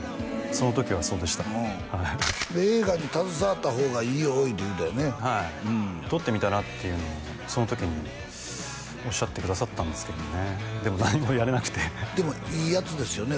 その時はそうでしたで映画に携わった方がいいよいうて言うたよねはい撮ってみたら？っていうのはその時におっしゃってくださったんですけどもねでも何もやれなくてでもいいやつですよね